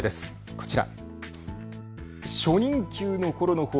こちら。